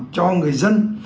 cho người dân